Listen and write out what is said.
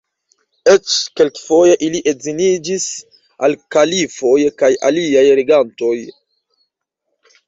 Eĉ kelkfoje ili edziniĝis al kalifoj kaj aliaj regantoj.